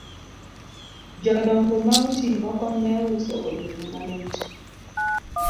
Jodongo ma oti moko ne uso olemo mamit